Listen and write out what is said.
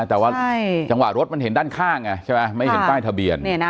แต่ว่าจังหวะรถมันเห็นด้านข้างไงใช่ไหมไม่เห็นป้ายทะเบียน